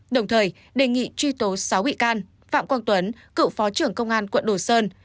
đồng thời đề nghị truy tố sáu bị can phạm quang tuấn cựu phó trưởng công an quận đồ sơn